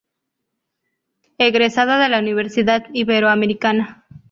Egresada de la Universidad Iberoamericana.